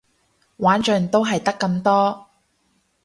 玩盡都係得咁多